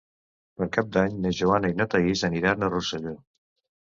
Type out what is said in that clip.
Per Cap d'Any na Joana i na Thaís aniran a Rosselló.